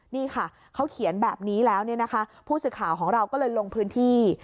นี่ค่ะเขาเขียนแบบนี้แล้วเนี่ยนะคะผู้สื่อข่าวของเราก็เลยลงพื้นที่